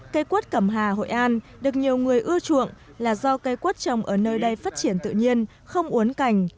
cây quất cẩm hà hội an được nhiều người ưa chuộng là do cây quất trồng ở nơi đây phát triển tự nhiên không uốn cảnh